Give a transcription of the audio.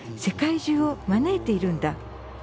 世界中を招いているんだ。